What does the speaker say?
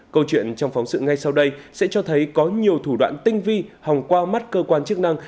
câu chuyện trong phóng sự ngay sau đây sẽ cho thấy có nhiều thủ đoạn tinh vi hòng qua mắt cơ quan chức năng